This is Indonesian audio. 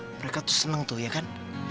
mereka tuh seneng tuh ya kan